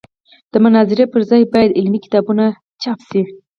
د مناظرې پر ځای باید علمي کتابونه چاپ شي.